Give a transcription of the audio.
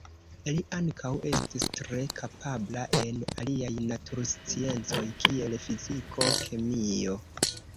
Li ankaŭ estis tre kapabla en aliaj natursciencoj kiel fiziko, kemio.